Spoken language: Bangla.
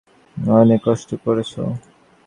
অনেক কষ্ট করেছ।